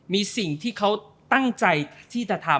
มีสิ่งที่เขาตั้งใจที่จะทำ